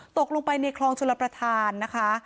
ตกลงไปในคลองชลประธานนะคะ